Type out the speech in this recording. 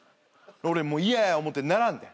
「俺もう嫌や思て並んでん」